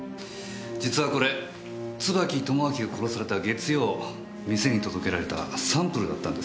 実はこれ椿友章が殺された月曜店に届けられたサンプルだったんですよ。